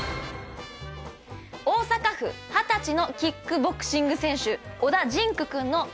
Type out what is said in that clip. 大阪府二十歳のキックボクシング選手。